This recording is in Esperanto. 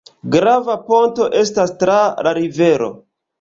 Grava ponto estas tra la rivero.